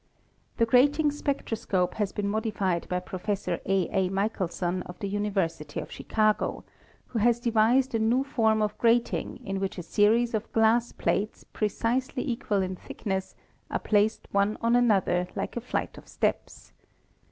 The grating spectroscope has been modified by Pro fessor A. A. Michelson of the University of Chicago, who has devised a new form of grating in which a series of glass plates precisely equal in thickness are placed one on another like a flight of steps.